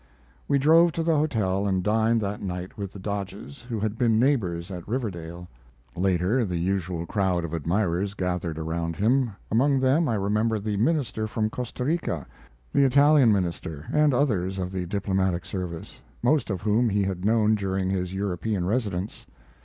We drove to the hotel and dined that night with the Dodges, who had been neighbors at Riverdale. Later, the usual crowd of admirers gathered around him, among them I remember the minister from Costa Rica, the Italian minister, and others of the diplomatic service, most of whom he had known during his European residence.